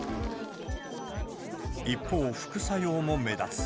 一方、副作用も目立つ。